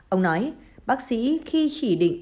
ông nói bác sĩ khi chỉ định